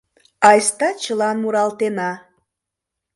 Айста чылан муралтена